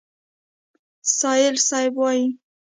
سایل صیب وایي: